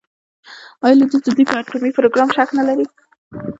آیا لویدیځ د دوی په اټومي پروګرام شک نلري؟